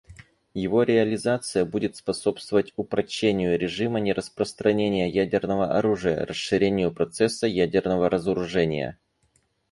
Его реализация будет способствовать упрочению режима нераспространения ядерного оружия, расширению процесса ядерного разоружения.